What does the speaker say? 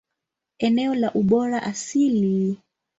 Eneo la ubora asili.